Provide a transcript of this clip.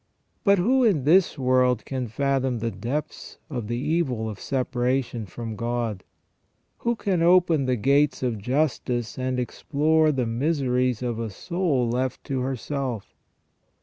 But who in this world can fathom the depths of the evil of separation from God ? Who can open the gates of justice and explore the miseries of a soul left to herself?